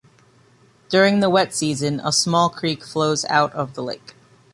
During the wet season a small creek flows out of the lake.